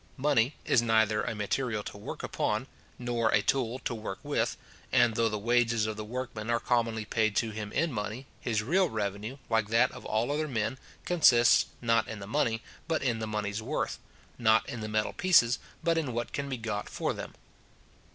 Money is neither a material to work upon, nor a tool to work with; and though the wages of the workman are commonly paid to him in money, his real revenue, like that of all other men, consists, not in the money, but in the money's worth; not in the metal pieces, but in what can be got for them.